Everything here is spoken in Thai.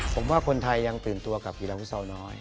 ผมว่าคนไทยยังตื่นตัวกับอีหรัยวุธสอบน้อย